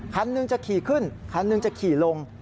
คันหนึ่งจะขี่ขึ้นคันหนึ่งจะขี่ลง